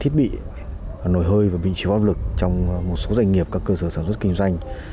thiết bị nồi hơi và bình chiếu áp lực trong một số doanh nghiệp các cơ sở sản xuất kinh doanh